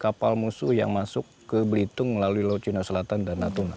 kapal musuh yang masuk ke belitung melalui laut cina selatan dan natuna